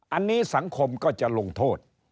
อันนี้สังคมก็จะลงโทษ